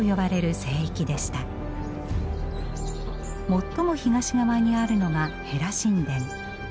最も東側にあるのがヘラ神殿。